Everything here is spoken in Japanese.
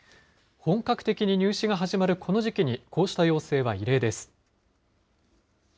本格的に入試が始まるこの時期にこうした要請は異例です。